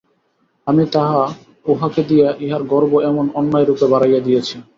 আমিই তাহা ইহাকে দিয়া ইহার গর্ব এমন অন্যায়রূপে বাড়াইয়া দিয়াছি।